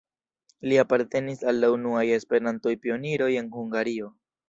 Li apartenis al la unuaj Esperanto-pioniroj en Hungario.